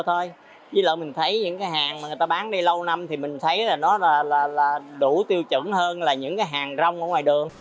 với lỡ mình thấy những cái hàng mà người ta bán đi lâu năm thì mình thấy là nó là đủ tiêu chuẩn hơn là những cái hàng rong ở ngoài đường